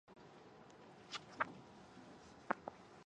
The riding existed previously under the name Rupertsland.